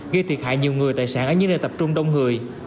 gây thiệt hại nhiều người tài sản ở những nơi tập trung đông người